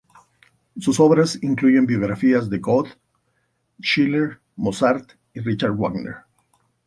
Sus obras incluyen biografías de Goethe, Schiller, Mozart y Richard Wagner.